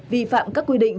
vi phạm các quy định